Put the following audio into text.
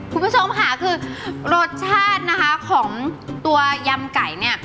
คุณผู้ชมค่ะคือรสชาตินะคะของตัวยำไก่เนี่ย